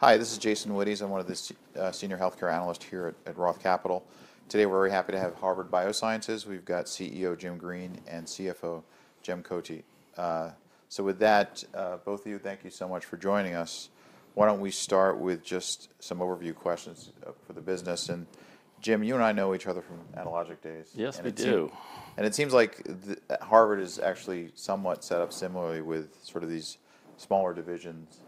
Hi, this is Jason Wittes. I'm one of the senior healthcare analysts here at Roth Capital. Today we're very happy to have Harvard Bioscience. We've got CEO Jim Green and CFO Jen Cote. With that, both of you, thank you so much for joining us. Why don't we start with just some overview questions for the business? Jim, you and I know each other from Analogic days. Yes, we do. It seems like Harvard is actually somewhat set up similarly with sort of these smaller divisions,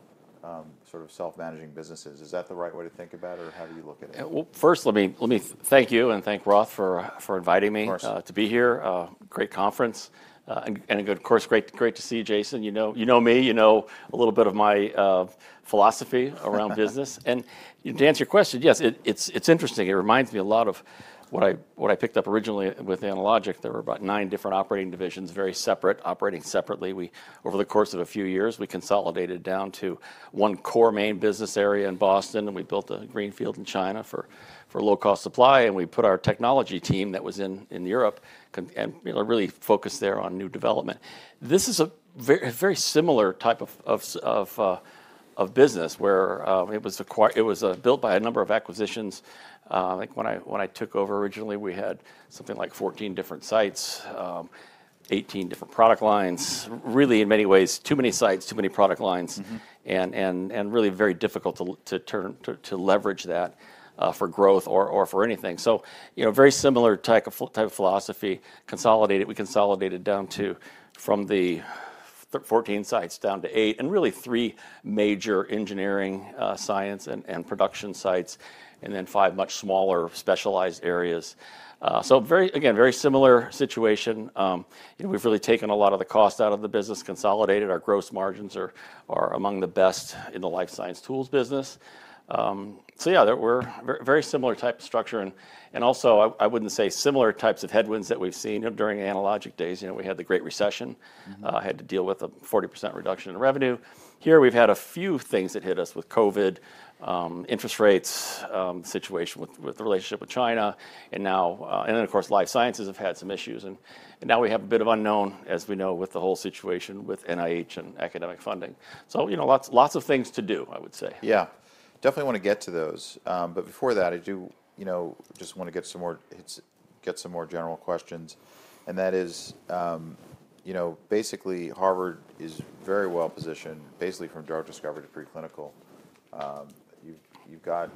sort of self-managing businesses. Is that the right way to think about it, or how do you look at it? First, let me thank you and thank Roth for inviting me to be here. Great conference. Of course, great to see you, Jason. You know me. You know a little bit of my philosophy around business. To answer your question, yes, it's interesting. It reminds me a lot of what I picked up originally with Analogic. There were about nine different operating divisions, very separate, operating separately. Over the course of a few years, we consolidated down to one core main business area in Boston. We built a green field in China for low-cost supply. We put our technology team that was in Europe and really focused there on new development. This is a very similar type of business, where it was built by a number of acquisitions. I think when I took over originally, we had something like 14 different sites, 18 different product lines. Really, in many ways, too many sites, too many product lines. Really very difficult to leverage that for growth or for anything. Very similar type of philosophy. We consolidated down from the 14 sites down to eight, and really three major engineering, science, and production sites, and then five much smaller specialized areas. Again, very similar situation. We've really taken a lot of the cost out of the business, consolidated. Our gross margins are among the best in the life science tools business. Yeah, we're a very similar type of structure. Also, I wouldn't say similar types of headwinds that we've seen during Analogic days. We had the Great Recession, had to deal with a 40% reduction in revenue. Here, we've had a few things that hit us with COVID, interest rates situation with the relationship with China. Of course, life sciences have had some issues. Now we have a bit of unknown, as we know, with the whole situation with NIH and academic funding. Lots of things to do, I would say. Yeah. Definitely want to get to those. Before that, I do just want to get some more general questions. That is, basically, Harvard is very well positioned, basically from drug discovery to preclinical. You've got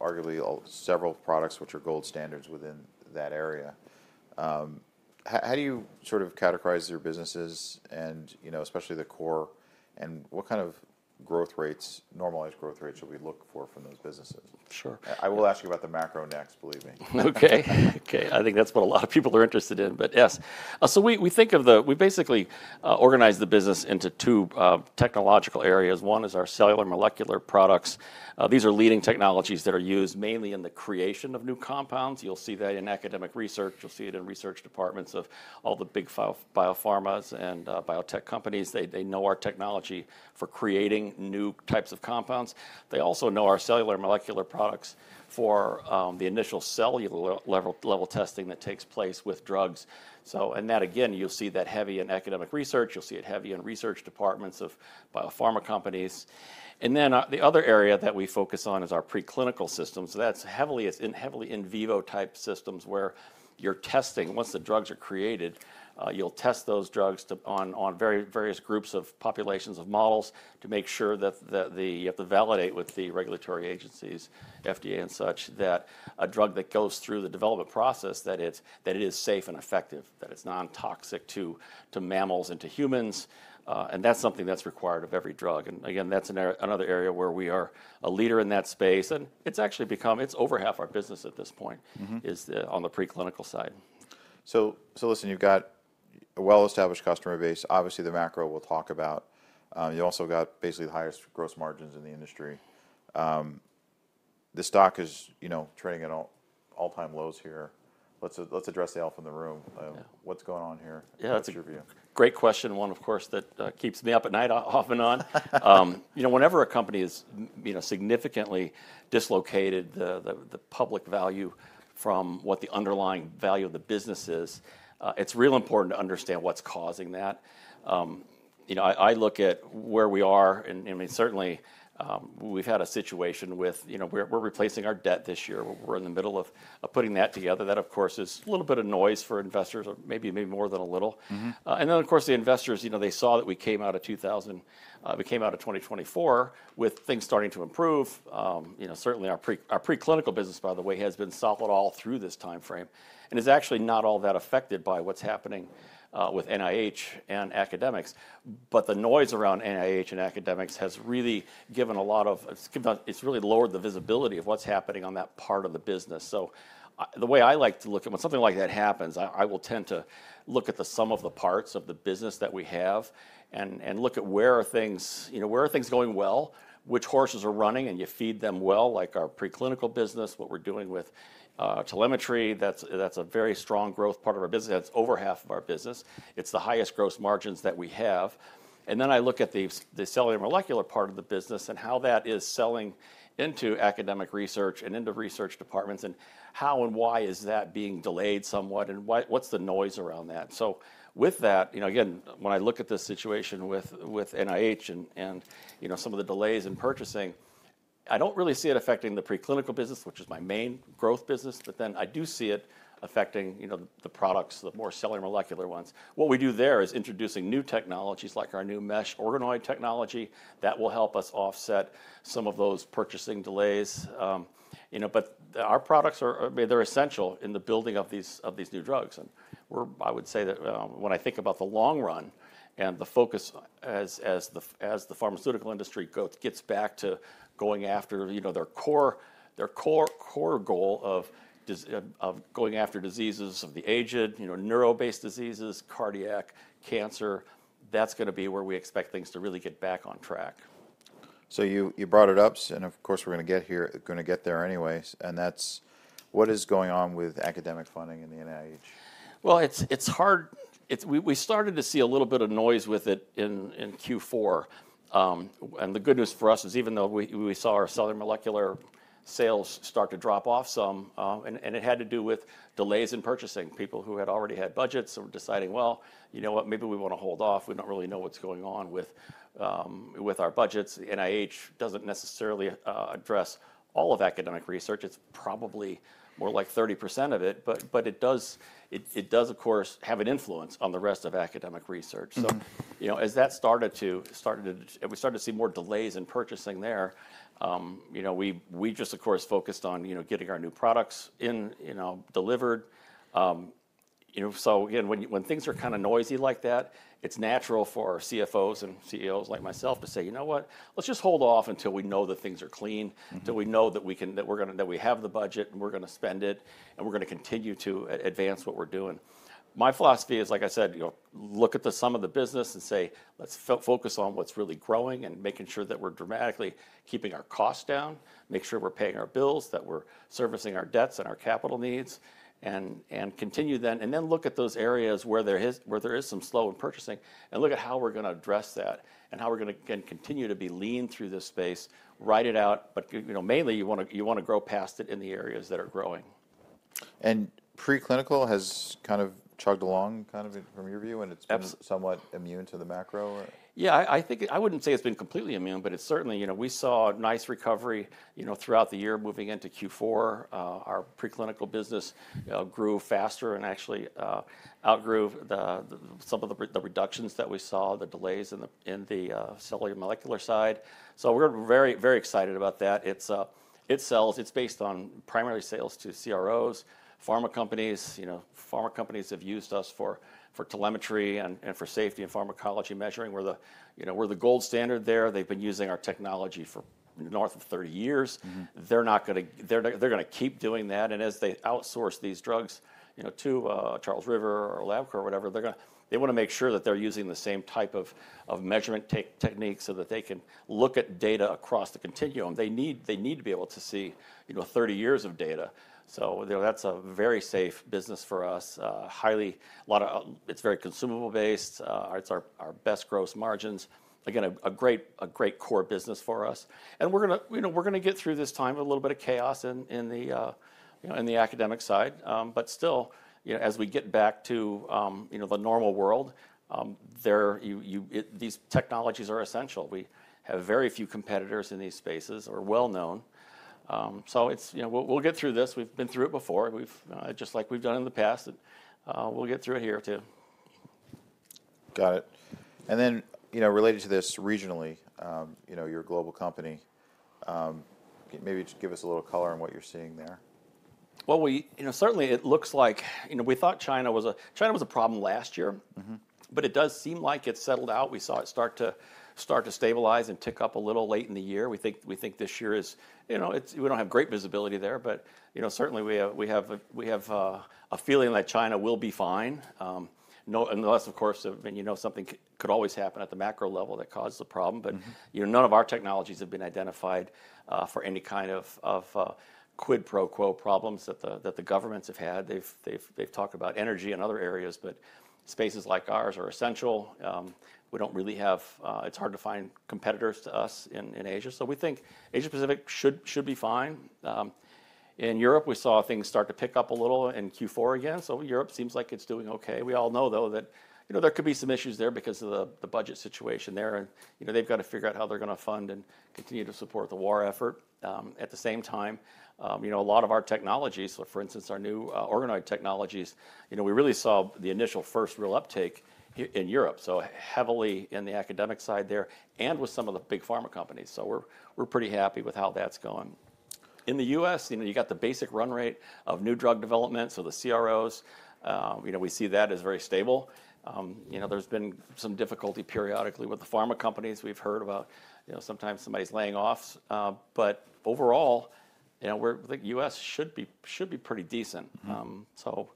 arguably several products which are gold standards within that area. How do you sort of categorize your businesses, and especially the core? What kind of growth rates, normalized growth rates, should we look for from those businesses? Sure. I will ask you about the macro next, believe me. OK. OK, I think that's what a lot of people are interested in. Yes. We think of the—we basically organize the business into two technological areas. One is our cellular molecular products. These are leading technologies that are used mainly in the creation of new compounds. You'll see that in academic research. You'll see it in research departments of all the big biopharmas and biotech companies. They know our technology for creating new types of compounds. They also know our cellular molecular products for the initial cellular level testing that takes place with drugs. That, again, you'll see that heavy in academic research. You'll see it heavy in research departments of biopharma companies. The other area that we focus on is our preclinical systems. That's heavily in vivo type systems, where you're testing. Once the drugs are created, you'll test those drugs on various groups of populations of models to make sure that you have to validate with the regulatory agencies, FDA and such, that a drug that goes through the development process, that it is safe and effective, that it's non-toxic to mammals and to humans. That's something that's required of every drug. Again, that's another area where we are a leader in that space. It's actually become it's over half our business at this point is on the preclinical side. Listen, you've got a well-established customer base. Obviously, the macro we'll talk about. You also got basically the highest gross margins in the industry. The stock is trading at all-time lows here. Let's address the elephant in the room. What's going on here? What's your view? Yeah, that's a great question. One, of course, that keeps me up at night off and on. Whenever a company is significantly dislocated, the public value from what the underlying value of the business is, it's real important to understand what's causing that. I look at where we are. I mean, certainly, we've had a situation with we're replacing our debt this year. We're in the middle of putting that together. That, of course, is a little bit of noise for investors, or maybe more than a little. The investors, they saw that we came out of 2000 we came out of 2024 with things starting to improve. Certainly, our preclinical business, by the way, has been solid all through this time frame and is actually not all that affected by what's happening with NIH and academics. The noise around NIH and academics has really given a lot of, it's really lowered the visibility of what's happening on that part of the business. The way I like to look at when something like that happens, I will tend to look at the sum of the parts of the business that we have and look at where are things going well, which horses are running, and you feed them well, like our preclinical business, what we're doing with telemetry. That's a very strong growth part of our business. That's over half of our business. It's the highest gross margins that we have. I look at the cellular molecular part of the business and how that is selling into academic research and into research departments, and how and why is that being delayed somewhat, and what's the noise around that. With that, again, when I look at this situation with NIH and some of the delays in purchasing, I don't really see it affecting the preclinical business, which is my main growth business. I do see it affecting the products, the more cellular molecular ones. What we do there is introducing new technologies, like our new mesh organoid technology, that will help us offset some of those purchasing delays. Our products, they're essential in the building of these new drugs. I would say that when I think about the long run and the focus as the pharmaceutical industry gets back to going after their core goal of going after diseases of the aged, neuro-based diseases, cardiac cancer, that's going to be where we expect things to really get back on track. You brought it up. Of course, we're going to get there anyways. That's what is going on with academic funding in the NIH? It is hard. We started to see a little bit of noise with it in Q4. The good news for us is, even though we saw our cellular molecular sales start to drop off some, and it had to do with delays in purchasing, people who had already had budgets were deciding, you know what? Maybe we want to hold off. We do not really know what is going on with our budgets. NIH does not necessarily address all of academic research. It is probably more like 30% of it. It does, of course, have an influence on the rest of academic research. As that started to, we started to see more delays in purchasing there, we just, of course, focused on getting our new products delivered. Again, when things are kind of noisy like that, it's natural for our CFOs and CEOs like myself to say, you know what? Let's just hold off until we know that things are clean, until we know that we have the budget, and we're going to spend it, and we're going to continue to advance what we're doing. My philosophy is, like I said, look at the sum of the business and say, let's focus on what's really growing and making sure that we're dramatically keeping our costs down, make sure we're paying our bills, that we're servicing our debts and our capital needs, and continue then. Then look at those areas where there is some slow in purchasing and look at how we're going to address that and how we're going to continue to be lean through this space, ride it out. Mainly, you want to grow past it in the areas that are growing. Preclinical has kind of chugged along, kind of from your view, and it's somewhat immune to the macro? Yeah. I wouldn't say it's been completely immune, but certainly we saw a nice recovery throughout the year moving into Q4. Our preclinical business grew faster and actually outgrew some of the reductions that we saw, the delays in the cellular molecular side. We are very, very excited about that. Its sales are based on primarily sales to CROs, pharma companies. Pharma companies have used us for telemetry and for safety and pharmacology measuring. We are the gold standard there. They have been using our technology for north of 30 years. They are going to keep doing that. As they outsource these drugs to Charles River or Labcorp or whatever, they want to make sure that they are using the same type of measurement techniques so that they can look at data across the continuum. They need to be able to see 30 years of data. That's a very safe business for us. It's very consumable-based. It's our best gross margins. Again, a great core business for us. We're going to get through this time with a little bit of chaos in the academic side. Still, as we get back to the normal world, these technologies are essential. We have very few competitors in these spaces or well-known. We'll get through this. We've been through it before, just like we've done in the past. We'll get through it here too. Got it. Related to this regionally, your global company, maybe just give us a little color on what you're seeing there. Certainly, it looks like we thought China was a problem last year. It does seem like it's settled out. We saw it start to stabilize and tick up a little late in the year. We think this year is we don't have great visibility there. Certainly, we have a feeling that China will be fine, unless, of course, something could always happen at the macro level that causes the problem. None of our technologies have been identified for any kind of quid pro quo problems that the governments have had. They've talked about energy and other areas. Spaces like ours are essential. We don't really have it's hard to find competitors to us in Asia. We think Asia-Pacific should be fine. In Europe, we saw things start to pick up a little in Q4 again. Europe seems like it's doing OK. We all know, though, that there could be some issues there because of the budget situation there. They have got to figure out how they are going to fund and continue to support the war effort. At the same time, a lot of our technologies, for instance, our new organoid technologies, we really saw the initial first real uptake in Europe, heavily in the academic side there and with some of the big pharma companies. We are pretty happy with how that is going. In the U.S., you have got the basic run rate of new drug development, so the CROs. We see that as very stable. There has been some difficulty periodically with the pharma companies. We have heard about sometimes somebody is laying off. Overall, I think the U.S. should be pretty decent. That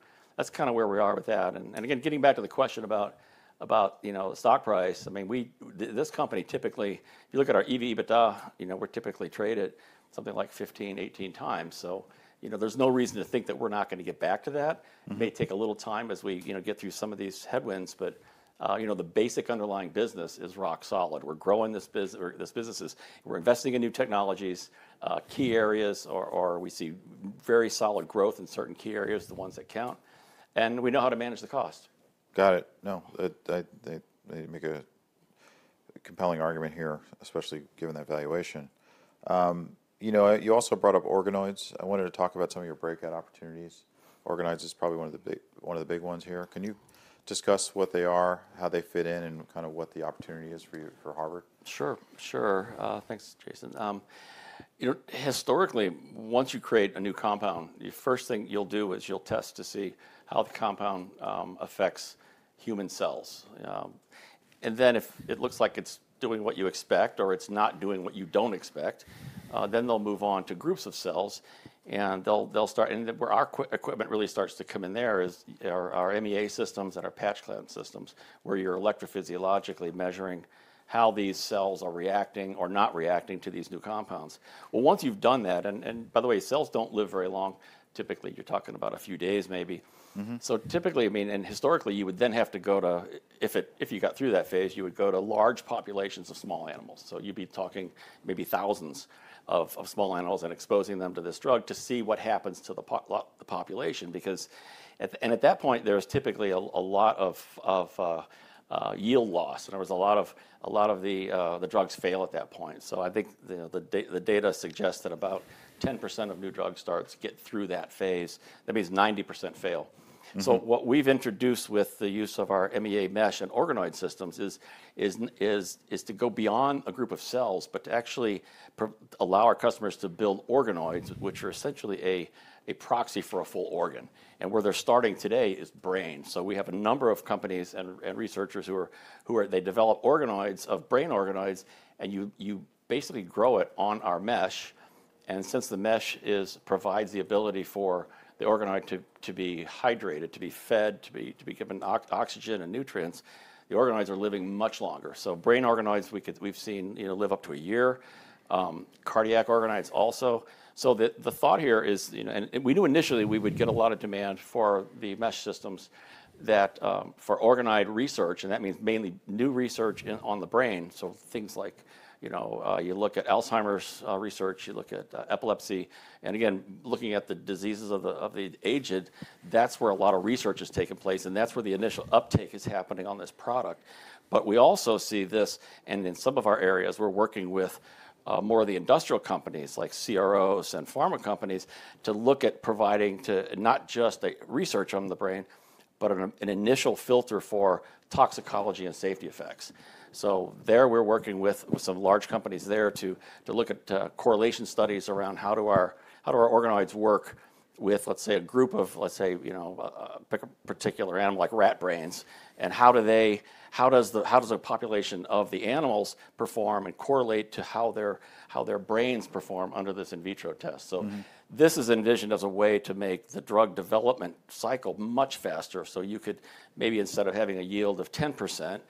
is kind of where we are with that. Again, getting back to the question about the stock price, I mean, this company, typically, if you look at our EBITDA, we're typically traded something like 15-18 times. There is no reason to think that we're not going to get back to that. It may take a little time as we get through some of these headwinds. The basic underlying business is rock solid. We're growing this business. We're investing in new technologies, key areas, where we see very solid growth in certain key areas, the ones that count. We know how to manage the cost. Got it. No, they make a compelling argument here, especially given that valuation. You also brought up organoids. I wanted to talk about some of your breakout opportunities. Organoids is probably one of the big ones here. Can you discuss what they are, how they fit in, and kind of what the opportunity is for Harvard? Sure. Sure. Thanks, Jason. Historically, once you create a new compound, the first thing you'll do is you'll test to see how the compound affects human cells. And then if it looks like it's doing what you expect or it's not doing what you don't expect, then they'll move on to groups of cells. Where our equipment really starts to come in there is our MEA systems and our patch clamp systems, where you're electrophysiologically measuring how these cells are reacting or not reacting to these new compounds. Once you've done that, and by the way, cells don't live very long. Typically, you're talking about a few days, maybe. Typically, I mean, and historically, you would then have to go to if you got through that phase, you would go to large populations of small animals. You'd be talking maybe thousands of small animals and exposing them to this drug to see what happens to the population. At that point, there is typically a lot of yield loss. A lot of the drugs fail at that point. I think the data suggests that about 10% of new drug starts get through that phase. That means 90% fail. What we've introduced with the use of our MEA mesh and organoid systems is to go beyond a group of cells but to actually allow our customers to build organoids, which are essentially a proxy for a full organ. Where they're starting today is brain. We have a number of companies and researchers who develop organoids, brain organoids. You basically grow it on our mesh. Since the mesh provides the ability for the organoid to be hydrated, to be fed, to be given oxygen and nutrients, the organoids are living much longer. Brain organoids, we've seen live up to a year. Cardiac organoids also. The thought here is we knew initially we would get a lot of demand for the mesh systems for organoid research. That means mainly new research on the brain. Things like you look at Alzheimer's research. You look at epilepsy. Again, looking at the diseases of the aged, that's where a lot of research is taking place. That's where the initial uptake is happening on this product. We also see this in some of our areas, we're working with more of the industrial companies, like CROs and pharma companies, to look at providing not just research on the brain, but an initial filter for toxicology and safety effects. There, we're working with some large companies to look at correlation studies around how do our organoids work with, let's say, a group of, let's say, a particular animal, like rat brains. How does the population of the animals perform and correlate to how their brains perform under this in vitro test? This is envisioned as a way to make the drug development cycle much faster. You could maybe, instead of having a yield of 10%,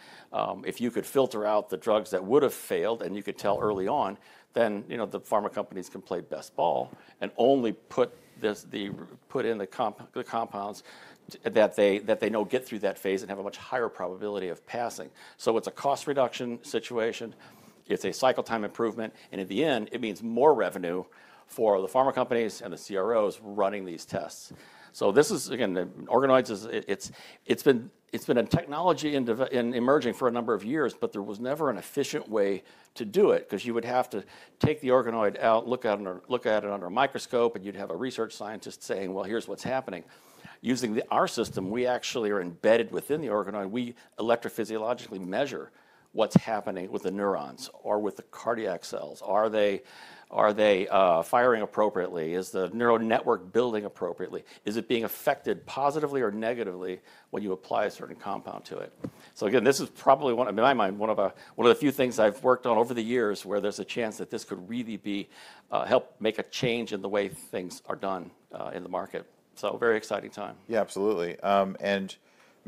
if you could filter out the drugs that would have failed and you could tell early on, then the pharma companies can play best ball and only put in the compounds that they know get through that phase and have a much higher probability of passing. It is a cost reduction situation. It is a cycle time improvement. At the end, it means more revenue for the pharma companies and the CROs running these tests. This is, again, organoids, it has been a technology emerging for a number of years. There was never an efficient way to do it because you would have to take the organoid out, look at it under a microscope, and you would have a research scientist saying, well, here is what is happening. Using our system, we actually are embedded within the organoid. We electrophysiologically measure what's happening with the neurons or with the cardiac cells. Are they firing appropriately? Is the neural network building appropriately? Is it being affected positively or negatively when you apply a certain compound to it? Again, this is probably, in my mind, one of the few things I've worked on over the years where there's a chance that this could really help make a change in the way things are done in the market. Very exciting time. Yeah, absolutely.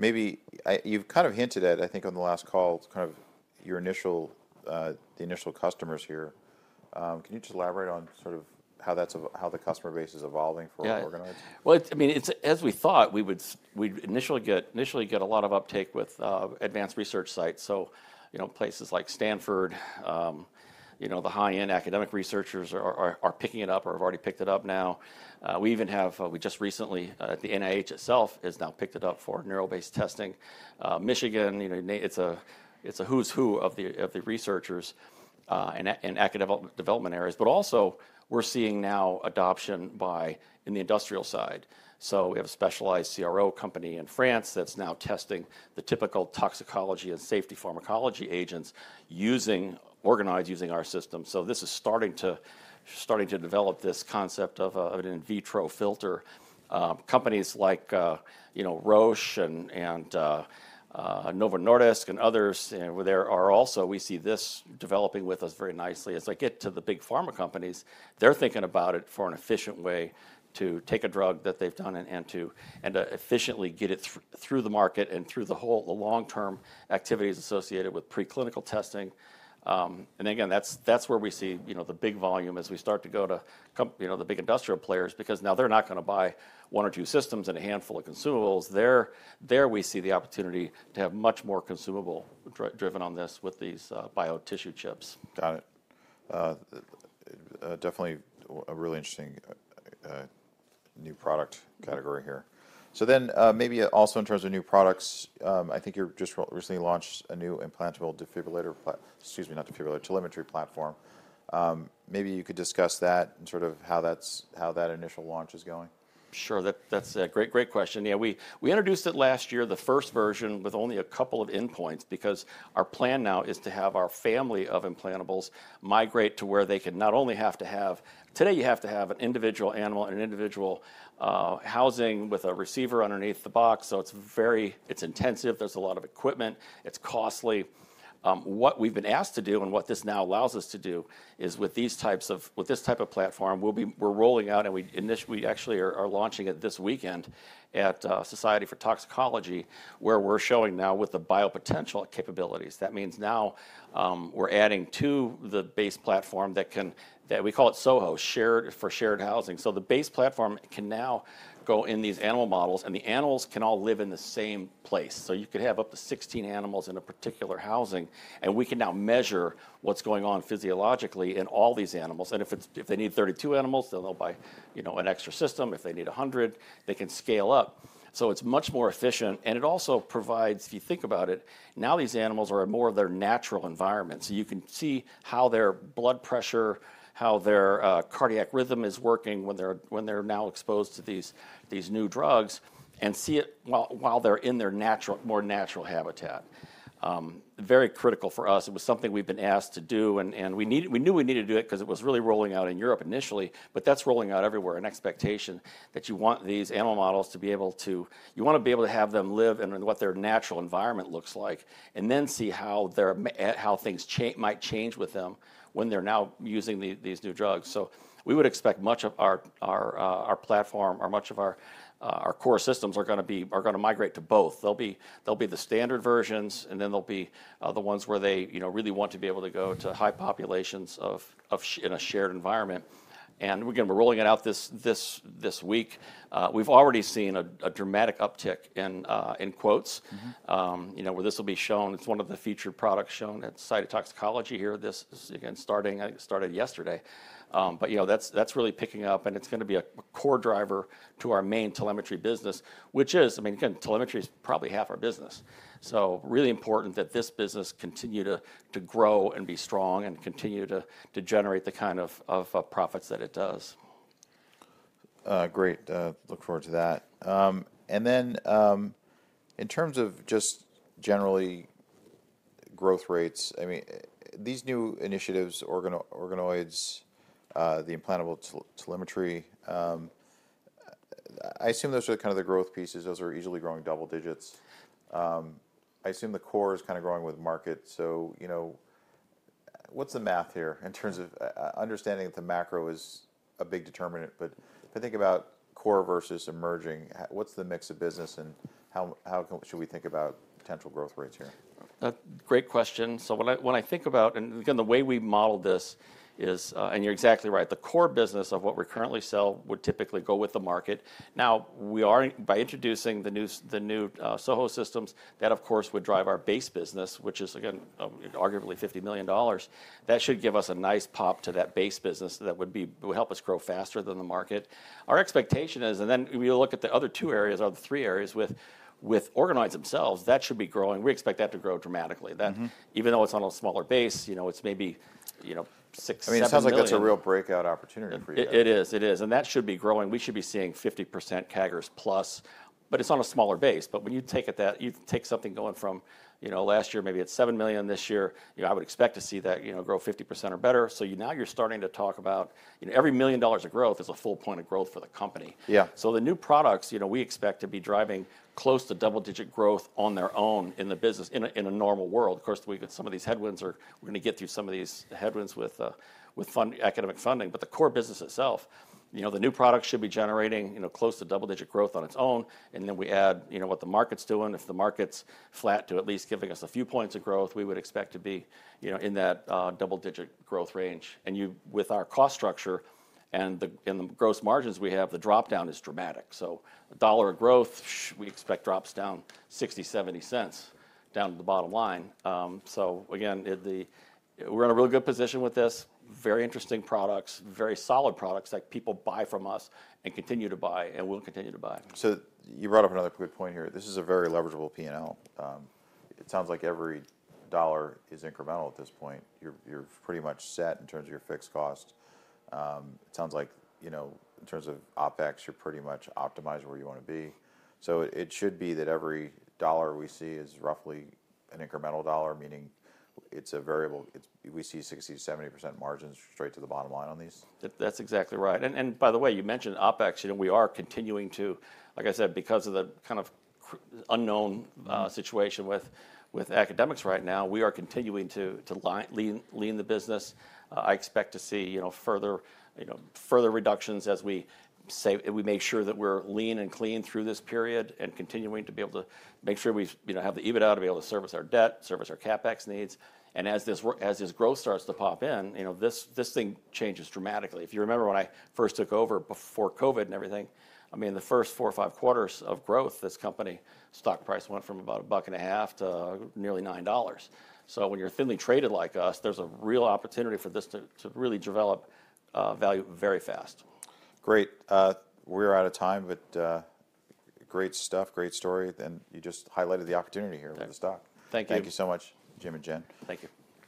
Maybe you've kind of hinted at, I think, on the last call, kind of the initial customers here. Can you just elaborate on sort of how the customer base is evolving for organoids? Yeah. I mean, as we thought, we'd initially get a lot of uptake with advanced research sites. Places like Stanford, the high-end academic researchers are picking it up or have already picked it up now. We even have, we just recently, the NIH itself has now picked it up for neural-based testing. Michigan, it's a who's who of the researchers in academic development areas. Also, we're seeing now adoption in the industrial side. We have a specialized CRO company in France that's now testing the typical toxicology and safety pharmacology agents using organoids using our system. This is starting to develop this concept of an in vitro filter. Companies like Roche and Novo Nordisk and others, there are also, we see this developing with us very nicely. As I get to the big pharma companies, they're thinking about it for an efficient way to take a drug that they've done and to efficiently get it through the market and through the long-term activities associated with preclinical testing. Again, that's where we see the big volume as we start to go to the big industrial players because now they're not going to buy one or two systems and a handful of consumables. There we see the opportunity to have much more consumable driven on this with these bio-tissue chips. Got it. Definitely a really interesting new product category here. Maybe also in terms of new products, I think you just recently launched a new implantable defibrillator, excuse me, not defibrillator, telemetry platform. Maybe you could discuss that and sort of how that initial launch is going. Sure. That's a great question. Yeah, we introduced it last year, the first version, with only a couple of endpoints because our plan now is to have our family of implantables migrate to where they can not only have to have today, you have to have an individual animal and an individual housing with a receiver underneath the box. It is intensive. There is a lot of equipment. It is costly. What we have been asked to do and what this now allows us to do is with this type of platform, we are rolling out and we actually are launching it this weekend at Society for Toxicology, where we are showing now with the biopotential capabilities. That means now we are adding to the base platform that can we call it SOHO, for shared housing. The base platform can now go in these animal models. The animals can all live in the same place. You could have up to 16 animals in a particular housing. We can now measure what is going on physiologically in all these animals. If they need 32 animals, they will know by an extra system. If they need 100, they can scale up. It is much more efficient. It also provides, if you think about it, now these animals are more in their natural environment. You can see how their blood pressure, how their cardiac rhythm is working when they are now exposed to these new drugs and see it while they are in their more natural habitat. Very critical for us. It was something we have been asked to do. We knew we needed to do it because it was really rolling out in Europe initially. That's rolling out everywhere, an expectation that you want these animal models to be able to, you want to be able to have them live in what their natural environment looks like and then see how things might change with them when they're now using these new drugs. We would expect much of our platform or much of our core systems are going to migrate to both. There will be the standard versions, and then there will be the ones where they really want to be able to go to high populations in a shared environment. Again, we're rolling it out this week. We've already seen a dramatic uptick in quotes where this will be shown. It's one of the featured products shown at Cytotoxicology here. This started yesterday. That's really picking up. It is going to be a core driver to our main telemetry business, which is, I mean, again, telemetry is probably half our business. Really important that this business continue to grow and be strong and continue to generate the kind of profits that it does. Great. Look forward to that. In terms of just generally growth rates, I mean, these new initiatives, organoids, the implantable telemetry, I assume those are kind of the growth pieces. Those are easily growing double digits. I assume the core is kind of growing with market. What's the math here in terms of understanding that the macro is a big determinant? If I think about core versus emerging, what's the mix of business? How should we think about potential growth rates here? Great question. When I think about, and again, the way we model this is, and you're exactly right, the core business of what we currently sell would typically go with the market. Now, by introducing the new SOHO systems, that, of course, would drive our base business, which is, again, arguably $50 million. That should give us a nice pop to that base business that would help us grow faster than the market. Our expectation is, and then we look at the other two areas or the three areas with organoids themselves. That should be growing. We expect that to grow dramatically. Even though it's on a smaller base, it's maybe 6, 7. I mean, it sounds like that's a real breakout opportunity for you. It is. It is. That should be growing. We should be seeing 50% CAGRs plus. It is on a smaller base. When you take something going from last year, maybe it is $7 million this year, I would expect to see that grow 50% or better. Now you are starting to talk about every $1 million of growth is a full point of growth for the company. Yeah. The new products, we expect to be driving close to double-digit growth on their own in the business in a normal world. Of course, some of these headwinds are we're going to get through some of these headwinds with academic funding. The core business itself, the new product should be generating close to double-digit growth on its own. Then we add what the market's doing. If the market's flat to at least giving us a few points of growth, we would expect to be in that double-digit growth range. With our cost structure and the gross margins we have, the dropdown is dramatic. A dollar of growth, we expect drops down 60-70 cents down to the bottom line. Again, we're in a really good position with this. Very interesting products, very solid products that people buy from us and continue to buy and will continue to buy. You brought up another good point here. This is a very leverageable P&L. It sounds like every dollar is incremental at this point. You're pretty much set in terms of your fixed cost. It sounds like in terms of OpEx, you're pretty much optimized where you want to be. It should be that every dollar we see is roughly an incremental dollar, meaning it's a variable. We see 60%-70% margins straight to the bottom line on these. That's exactly right. By the way, you mentioned OpEx. We are continuing to, like I said, because of the kind of unknown situation with academics right now, we are continuing to lean the business. I expect to see further reductions as we make sure that we're lean and clean through this period and continuing to be able to make sure we have the EBITDA to be able to service our debt, service our CapEx needs. As this growth starts to pop in, this thing changes dramatically. If you remember when I first took over before COVID and everything, I mean, the first four or five quarters of growth, this company stock price went from about a buck and a half to nearly $9. When you're thinly traded like us, there's a real opportunity for this to really develop value very fast. Great. We're out of time. Great stuff, great story. You just highlighted the opportunity here with the stock. Thank you. Thank you so much, Jim and Jen. Thank you.